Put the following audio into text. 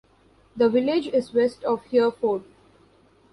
The village is west of Hereford.